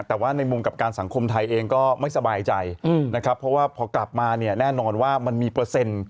แต่ว่าในมุมกับการสังคมไทยเองก็ไม่สบายใจนะครับเพราะว่าพอกลับมาเนี่ยแน่นอนว่ามันมีเปอร์เซ็นต์